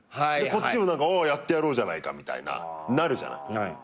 こっちもやってやろうじゃないかみたいななるじゃない。